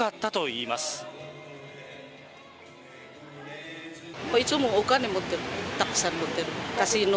いつもお金持ってる、たくさん持ってる。